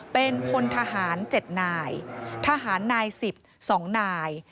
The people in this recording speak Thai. เป็นพลทหาร๗นายทหารนาย๑๒นาย